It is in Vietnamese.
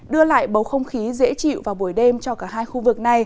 đưa lại bầu không khí dễ chịu vào buổi đêm cho cả hai khu vực này